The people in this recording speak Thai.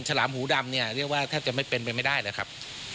ฉลามหูดำเนี่ยเรียกว่าแทบจะไม่เป็นไปไม่ได้เลยครับ